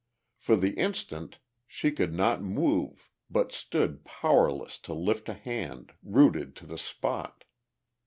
For the instant she could not move but stood powerless to lift a hand, rooted to the spot.